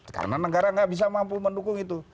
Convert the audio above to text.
karena negara tidak bisa mampu mendukung itu